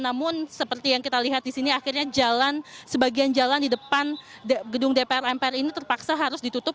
namun seperti yang kita lihat di sini akhirnya jalan sebagian jalan di depan gedung dpr mpr ini terpaksa harus ditutup